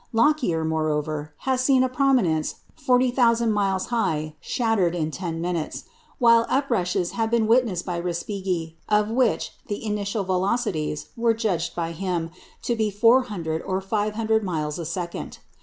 Lockyer, moreover, has seen a prominence 40,000 miles high shattered in ten minutes; while uprushes have been witnessed by Respighi, of which the initial velocities were judged by him to be 400 or 500 miles a second.